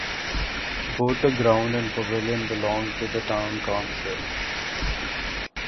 Both the ground and pavilion belong to the Town Council.